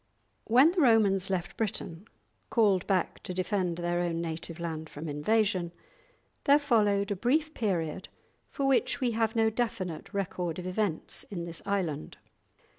When the Romans left Britain, called back to defend their own native land from invasion, there followed a brief period for which we have no definite record of events in this island.